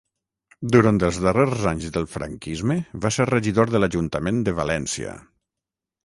Durant els darrers anys del franquisme va ser regidor de l'ajuntament de València.